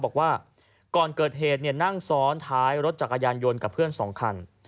บอกว่าก่อนเกิดเหตุนั่งซ้อนท้ายรถจักรยานยนต์กับเพื่อน๒คัน